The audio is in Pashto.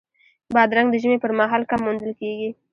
بادرنګ د ژمي پر مهال کم موندل کېږي.